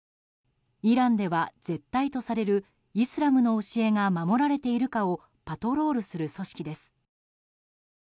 イランでは絶対とされるイスラムの教えが守られているかをパトロールする組織です。